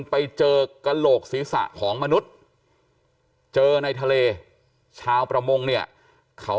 ไปเจอกระโหลกศีรษะของมนุษย์เจอในทะเลชาวประมงเนี่ยเขา